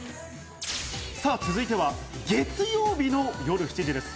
さあ、続いては月曜日の夜７時です。